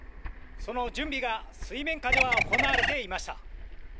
その準備が水面下では行われていました。